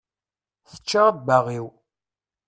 Tečča abbaɣ-iw